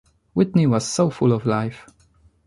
Whitney was so full of life.